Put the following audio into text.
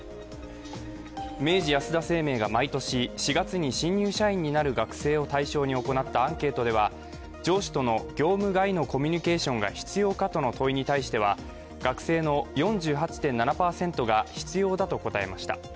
明治安田生命が毎年４月に新入社員になる学生を対象に行ったアンケートでは上司との業務外のコミュニケーションが必要かとの問いに対しては学生の４８．７％が必要だと答えました。